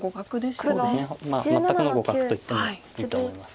全くの互角と言ってもいいと思います。